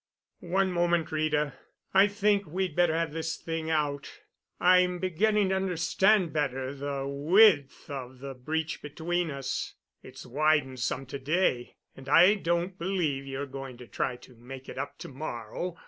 "One moment, Rita. I think we'd better have this thing out. I'm beginning to understand better the width of the breach between us—it's widened some to day—and I don't believe you're going to try to make it up to morrow.